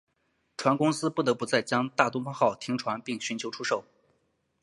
船公司不得不在将大东方号停航并寻求出售。